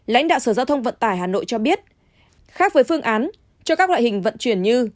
lãnh đạo sở giao thông vận tải hà nội cho biết khác với phương án cho các loại hình vận chuyển như